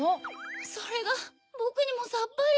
それがぼくにもさっぱり。